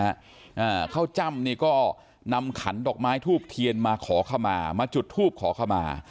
อ่าข้าวจ้ำนี่ก็นำขันดอกไม้ทูบเทียนมาขอขมามาจุดทูปขอขมา